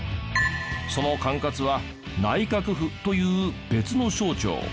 その管轄は内閣府という別の省庁。